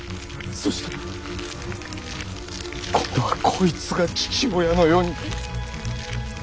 そして今度は「こいつ」が「父親」のように。